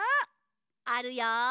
あるよ。